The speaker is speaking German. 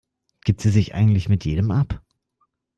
Gibt sie sich eigentlich mit jedem ab?